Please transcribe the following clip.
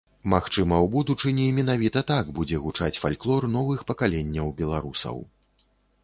Магчыма, у будучыні менавіта так будзе гучаць фальклор новых пакаленняў беларусаў.